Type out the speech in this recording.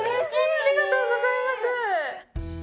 ありがとうございます！